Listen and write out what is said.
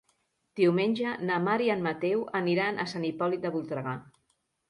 Diumenge na Mar i en Mateu aniran a Sant Hipòlit de Voltregà.